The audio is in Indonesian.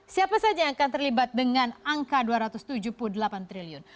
siapa saja yang akan terlibat dengan angka rp dua ratus tujuh puluh delapan triliun